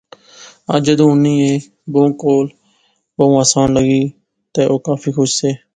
اج جدوں انیں ایہہ بہوں کول، بہوں آسان لغی تہ او کافی خوش سے